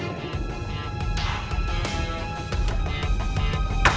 beberapa kal wrestling saya akhirnya pernah menang